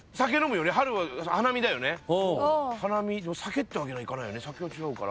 酒ってわけにはいかないよね。